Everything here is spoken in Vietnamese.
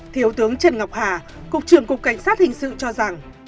thiếu tướng trần ngọc hà cục trưởng cục cảnh sát hình sự cho rằng